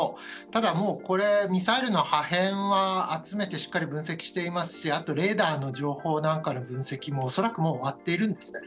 ただ、ミサイルの破片はもう集めてしっかり分析していますしあとレーダーの情報中の分析も恐らくもう、終わっているんですね。